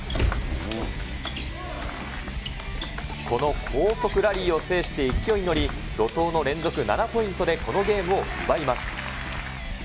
この高速ラリーを制して勢いに乗り、怒とうの連続７ポイントで、このゲームを奪います。